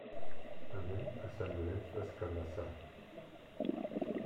Anem a Sant Llorenç des Cardassar.